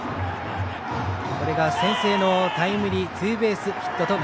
これが先制のタイムリーツーベースヒット。